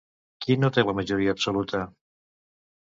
Qui no té la majoria absoluta?